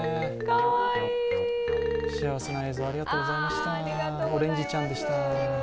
幸せな映像ありがとうございました。